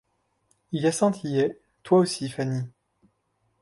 Hyacinthe y est, toi aussi, Fanny…